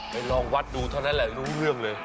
ลองวัดดูเท่านั้นแหละรู้เรื่องเลย